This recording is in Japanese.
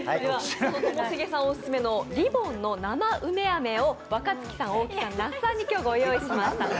ともしげさんオススメのリボンの生梅飴を若槻さん、那須さん、大木さんに用意しました。